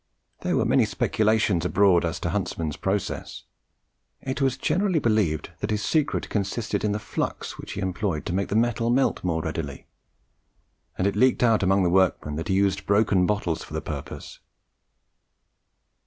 There were many speculations abroad as to Huntsman's process. It was generally believed that his secret consisted in the flux which he employed to make the metal melt more readily; and it leaked out amongst the workmen that he used broken bottles for the purpose.